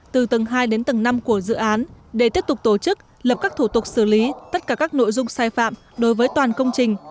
từ tầng hai đến tầng năm của dự án để tiếp tục tổ chức lập các thủ tục xử lý tất cả các nội dung sai phạm đối với toàn công trình